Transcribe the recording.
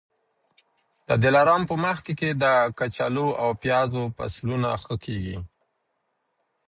د دلارام په مځکي کي د کچالو او پیازو فصلونه ښه کېږي.